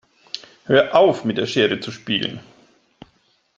Hör auf, mit der Schere zu spielen!